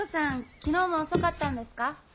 昨日も遅かったんですか？